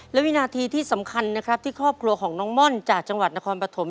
และวินาทีที่สำคัญนะครับที่ครอบครัวของน้องม่อนจากจังหวัดนครปฐม